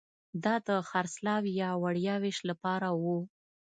دا د خرڅلاو یا وړیا وېش لپاره وو